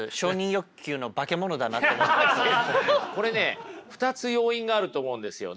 これね２つ要因があると思うんですよね。